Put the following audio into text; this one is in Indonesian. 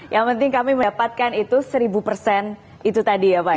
yang penting kami mendapatkan itu seribu persen itu tadi ya pak